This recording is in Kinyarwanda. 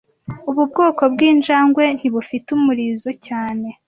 Ubu bwoko bwinjangwe ntibufite umurizo cyane